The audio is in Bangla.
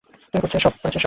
তুমি করেছো এসব?